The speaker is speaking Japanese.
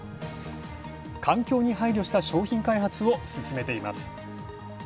環境に配慮した商品開発を進めています。